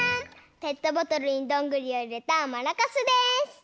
ペットボトルにどんぐりをいれたマラカスです！